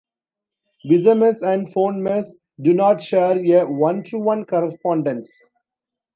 Visemes and phonemes do not share a one-to-one correspondence.